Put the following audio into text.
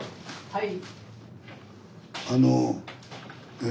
はい。